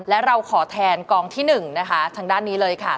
และเราขอแทนกองที่๑นะคะทางด้านนี้เลยค่ะ